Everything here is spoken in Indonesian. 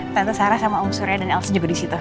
tante sarah sama om surya dan els juga disitu